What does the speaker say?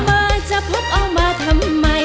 เหมือนเธอจะพบเอามาทำไม